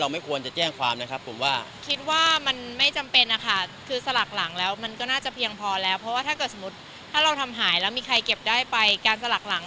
ไม่ควรจะเชื่อมจากสลากกินครับ